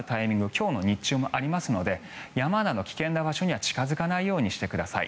今日の日中もありますので山など危険な場所には近付かないようにしてください。